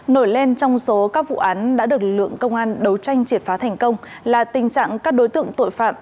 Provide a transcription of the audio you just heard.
nổi lên trong số các vụ án đã được lực lượng công an đấu tranh triệt phá thành công là tình trạng các đối tượng tội phạm